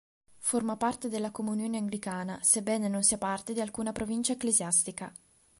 Forma parte della Comunione anglicana, sebbene non sia parte di alcuna provincia ecclesiastica.